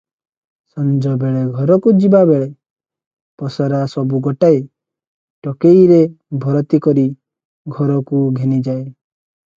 ସଞ୍ଜବେଳେ ଘରକୁ ଯିବାବେଳେ ପସରା ସବୁ ଗୋଟାଏ ଟୋକେଇରେ ଭରତି କରି ଘରୁକୁ ଘେନିଯାଏ ।